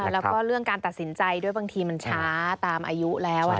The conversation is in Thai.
แล้วก็เรื่องการตัดสินใจด้วยบางทีมันช้าตามอายุแล้ว